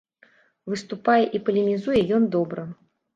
Выступае і палемізуе ён добра.